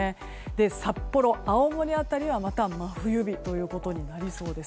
札幌、青森辺りはまた真冬日になりそうです。